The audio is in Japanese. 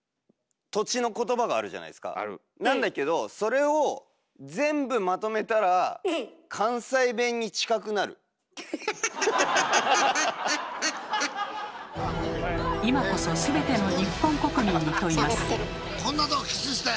なんだけどそれを今こそ全ての日本国民に問います。